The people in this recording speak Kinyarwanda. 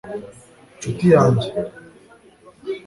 ncuti yanjye